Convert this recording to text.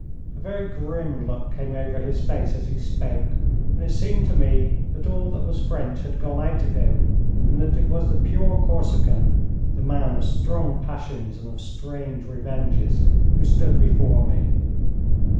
A very grim look came over his face as he spoke, and it seemed to me that all that was French had gone out of him, and that it was the pure Corsican, the man of strong passions and of strange revenges, who stood before me.